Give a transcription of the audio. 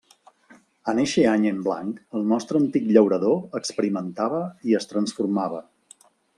En eixe any en blanc el nostre antic llaurador experimentava i es transformava.